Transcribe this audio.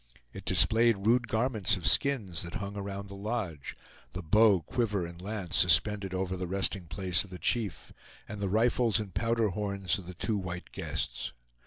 It displayed rude garments of skins that hung around the lodge; the bow, quiver, and lance suspended over the resting place of the chief, and the rifles and powder horns of the two white guests.